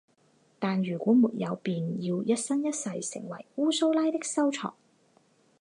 但如果没有便要一生一世成为乌苏拉的收藏。